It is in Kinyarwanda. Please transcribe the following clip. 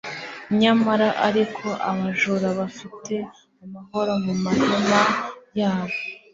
nyamara ariko, abajura bafite amahoro mu mahema yabo